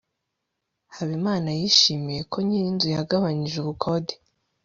habimana yishimiye ko nyir'inzu yagabanije ubukode